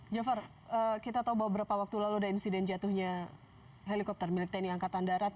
jafar kita tahu bahwa beberapa waktu lalu ada insiden jatuhnya helikopter milik tni angkatan darat